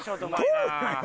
捕るなよ